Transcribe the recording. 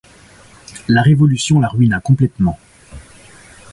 La Révolution la ruina complètement.